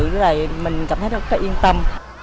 với lại mình cảm thấy rất là yên tâm